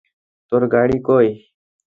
তোর গাড়ি কই?